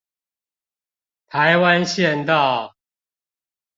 台灣縣道